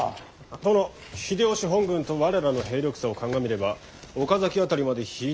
殿秀吉本軍と我らの兵力差を鑑みれば岡崎辺りまで引いて籠城するが得策かと。